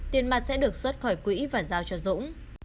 tiền mặt sẽ được xuất khỏi quỹ và giao cho dũng